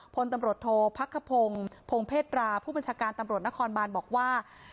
พลตำรวจโทษพักขพงศ์พงเพศราผู้บัญชาการตำรวจนครบานบอกว่า